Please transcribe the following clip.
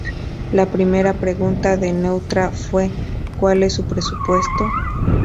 La primera pregunta de Neutra fue: "¿Cuál es su presupuesto?".